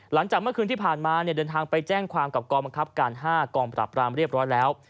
หลังจากเมื่อคืนที่ผ่านมาเดินทางไปแจ้งความกับกองบังคับการ๕กองปรับรามเรียบร้อยแล้ว